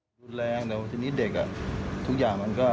รุนแรงแต่ว่าทีนี้เด็กอ่ะทุกอย่างมันก็